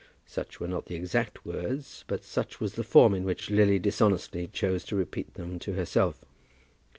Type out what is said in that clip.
Such were not the exact words, but such was the form in which Lily, dishonestly, chose to repeat them to herself.